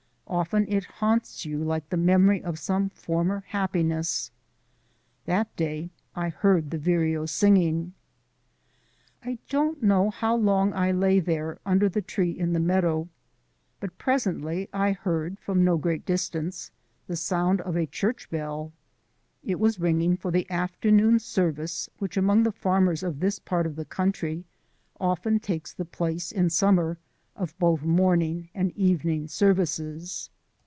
Often it haunts you like the memory of some former happiness. That day I heard the vireo singing.... I don't know how long I lay there under the tree in the meadow, but presently I heard, from no great distance, the sound of a church bell. It was ringing for the afternoon service which among the farmers of this part of the country often takes the place, in summer, of both morning and evening services.